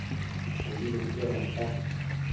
Ubi bëqueduanta